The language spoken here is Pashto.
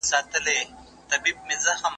که توليد زيات نسي نو فقر نه ختميږي.